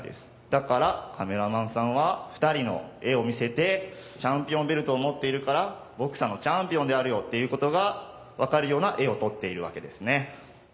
だからカメラマンさんは２人の画を見せてチャンピオンベルトを持っているからボクサーのチャンピオンであるよっていうことが分かるような画を撮っているわけですね。